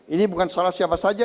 ini bukan soal siapa saja